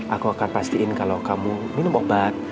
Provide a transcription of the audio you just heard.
aku akan pastiin kalau kamu minum obat